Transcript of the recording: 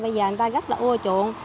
bây giờ người ta rất là ưa chuộng